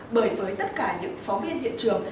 bởi với tất cả những phóng viên hiện trường